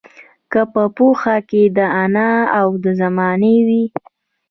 که په پوهه کې دانا د زمانې وي